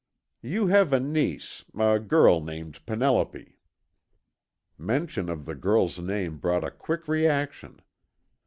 "You have a niece, a girl named Penelope." Mention of the girl's name brought a quick reaction.